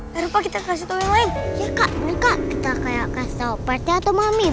hai rafa kita kasih tau yang lain ya kak kita kayak kasih tau partnya atau mami